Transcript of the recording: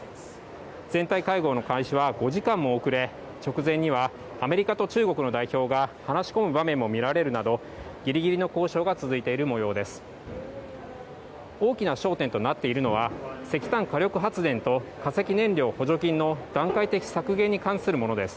全体会合の開始は５時間も遅れ直前にはアメリカと中国の代表が話し込む場面がみられるなどギリギリの交渉が続いている模様です。